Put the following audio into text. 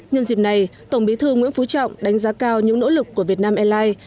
nhân dịp này tổng bí thư nguyễn phú trọng đánh giá cao những nỗ lực của việt nam airlines